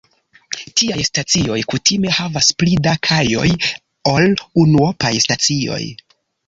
Tiaj stacioj kutime havas pli da kajoj ol unuopaj stacioj.